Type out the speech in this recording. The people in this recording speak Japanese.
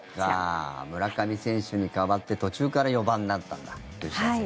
村上選手に代わって途中から４番になったんだはい。